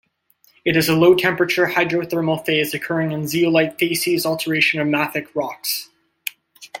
It is a low-temperature hydrothermal phase occurring in zeolite facies alteration of mafic rocks.